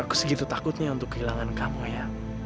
aku segitu takut nih untuk kehilangan kamu ya